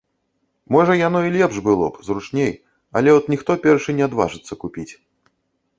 Можа, яно і лепш было б, зручней, але от ніхто першы не адважыцца купіць.